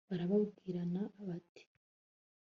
barabwirana bati